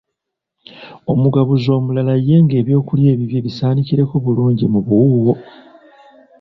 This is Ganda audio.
Omugabuzi omulala ye ng'eby’okulya ebibye bisaanikireko bulungi mu buwuuwo.